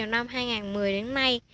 năm hai nghìn một mươi đến nay